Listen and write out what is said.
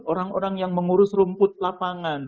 orang orang yang mengurus rumput lapangan